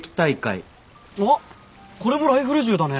あっこれもライフル銃だね。